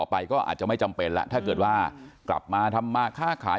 ไปก็อาจจะไม่จำเป็นแล้วถ้าเกิดว่ากลับมาทำมาค่าขาย